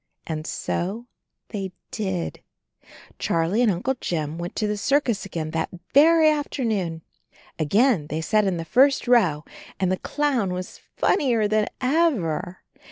And so they did. Charlie and Uncle Jim went to the circus again that very afternoon. Again they sat in the first row and the clown was funnier than ever.